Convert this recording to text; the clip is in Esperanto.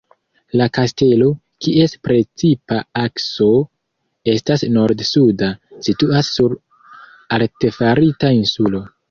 La kastelo, kies precipa akso estas nord-suda, situas sur artefarita insulo.